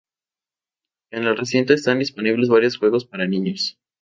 En el recinto están disponibles varios juegos para niños.